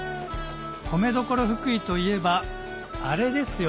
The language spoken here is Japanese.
米どころ福井といえばあれですよ